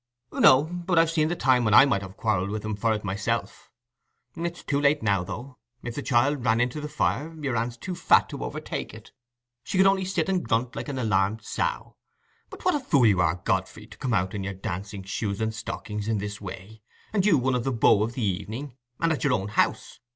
"No; but I've seen the time when I might have quarrelled with him for it myself. It's too late now, though. If the child ran into the fire, your aunt's too fat to overtake it: she could only sit and grunt like an alarmed sow. But what a fool you are, Godfrey, to come out in your dancing shoes and stockings in this way—and you one of the beaux of the evening, and at your own house!